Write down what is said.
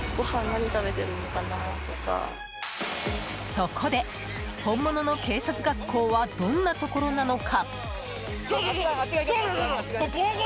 そこで、本物の警察学校はどんなところなのか？